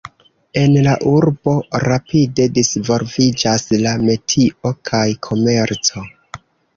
En la urbo rapide disvolviĝas la metio kaj komerco.